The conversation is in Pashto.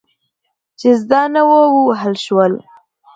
چې زده نه وو، ووهل شول.